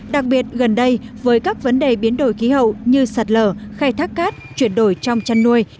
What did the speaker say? đặc biệt gần đây với các vấn đề biến đổi khí hậu như sạt lở khai thác cát chuyển đổi trong chăn nuôi